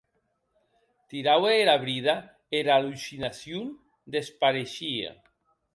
Tiraue era brida e era allucinacion despareishie.